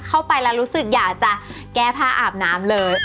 เข้าไปแล้วรู้สึกอยากจะแก้ผ้าอาบน้ำเลย